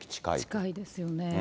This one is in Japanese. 近いですよね。